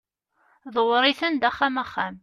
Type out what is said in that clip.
ḍewwer-iten-d axxam axxam